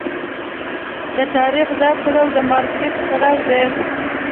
د تاریخ دا پړاو د مارکېټ پړاو دی.